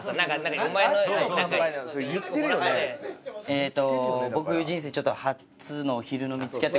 えっと。